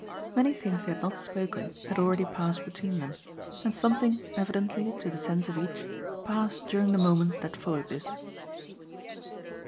Many things they had not spoken had already passed between them, and something evidently, to the sense of each, passed during the moment that followed this.